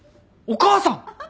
お母さん！？